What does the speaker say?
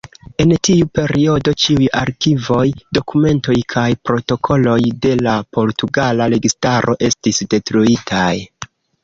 En tiu periodo, ĉiuj arkivoj, dokumentoj kaj protokoloj de la portugala registaro estis detruitaj.